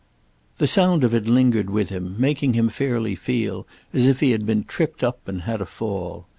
The sound of it lingered with him, making him fairly feel as if he had been tripped up and had a fall.